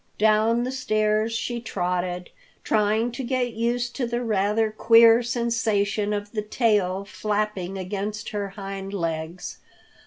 Down the stairs she trotted, trying to get used to the rather queer sensation of the tail flapping against her hind legs.